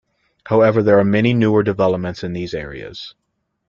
However, there are many newer developments in these areas.